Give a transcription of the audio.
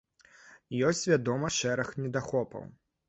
Ёсць, вядома, шэраг недахопаў.